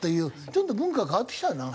ちょっと文化が変わってきたよな。